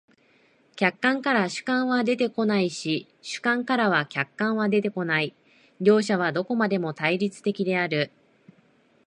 客観からは主観は出てこないし、主観からは客観は出てこない、両者はどこまでも対立的である。